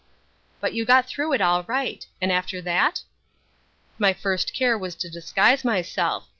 "But you got through it all right. And after that?" "My first care was to disguise myself.